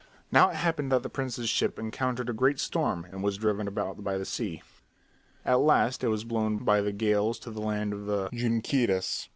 Now it happened that the prince's ship encountered a great storm and was driven about by the sea. At last it was blown by the gales to the land of the Junqueiras.